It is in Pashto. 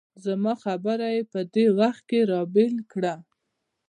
زما خبره یې په دې وخت کې را بېل کړه.